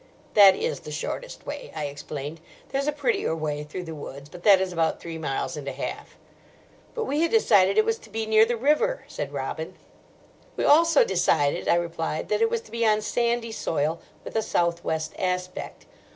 "That is the shortest way," I explained; "there's a prettier way through the woods, but that is about three miles and a half." "But we had decided it was to be near the river," said Robin. "We also decided," I replied, "that it was to be on sandy soil, with a south west aspect.